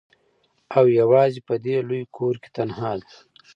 او یوازي په دې لوی کور کي تنهاده